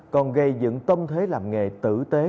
còn gây dựng tâm thế làm nghề tử tế